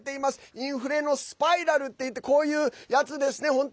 インフレのスパイラルっていってこういうやつですね。